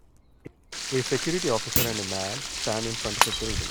A security officer and a man stand in front of a building.